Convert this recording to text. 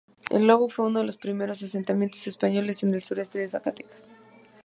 El Lobo fue uno de los primeros asentamientos españoles en el sureste de Zacatecas.